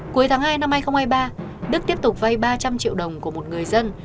cuối tháng hai năm hai nghìn hai mươi ba đức tiếp tục vay ba trăm linh triệu đồng của một người dân